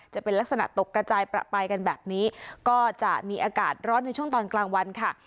จะเป็นลักษณะตกกระจายประปายกันแบบนี้ก็จะมีอากาศร้อนในช่วงตอนกลางวันค่ะ